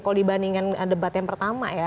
kalau dibandingkan debat yang pertama ya